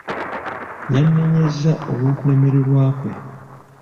Yannenyezza olw'okulemererwa kwe.